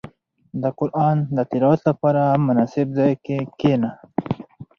• د قران د تلاوت لپاره، مناسب ځای کې کښېنه.